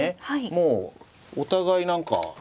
もうお互い何か。